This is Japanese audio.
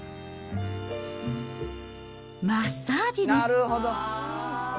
マッサージです。